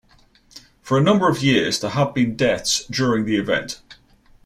For a number of years there have been deaths during the event.